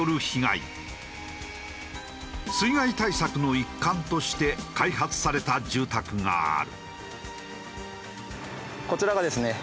水害対策の一環として開発された住宅がある。